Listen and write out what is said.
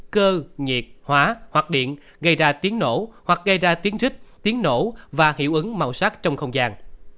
cơ nhiệt hóa hoặc điện gây ra tiếng nổ hoặc gây ra tiếng rích tiếng nổ và hiệu ứng màu sắc trong không gian